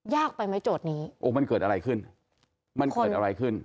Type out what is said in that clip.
ไปไหมโจทย์นี้โอ้มันเกิดอะไรขึ้นมันเกิดอะไรขึ้น